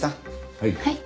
はい。